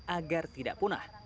agar tidak punah